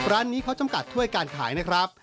ร้านนี้เขาจำกัดถ้วยการขายนะครับ